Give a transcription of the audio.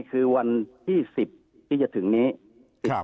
คือวันที่๑๐ที่จะถึงนี้